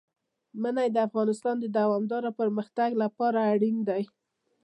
منی د افغانستان د دوامداره پرمختګ لپاره اړین دي.